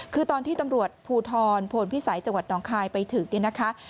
คือตอนที่ตำรวจภูทรโพนพิสัยจังหวัดน้องคายไปถึงเนี่ยนะคะ